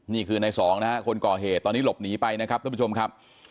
นี่คือในสองนะฮะคนก่อเหตุตอนนี้หลบหนีไปนะครับท่านผู้ชมครับ